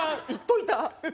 言っといた。